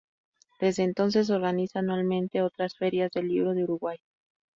Desde entonces organiza anualmente otras ferias del libro en Uruguay.